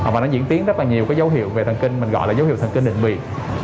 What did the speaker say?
và nó diễn tiến rất là nhiều cái dấu hiệu về thần kinh mình gọi là dấu hiệu thần kinh bệnh viện